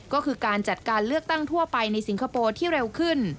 ก็คือการจัดการเลือกตั้งทั่วไปในสิงคโปร์ที่เร็วขึ้น